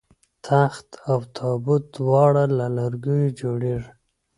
تخت او تابوت دواړه له لرګیو جوړیږي